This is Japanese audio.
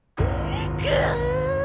ガン！